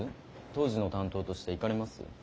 当時の担当として行かれます？